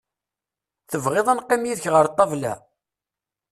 Tebɣiḍ ad neqqim yid-k ɣer ṭabla?